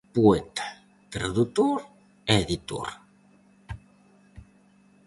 Poeta, tradutor e editor.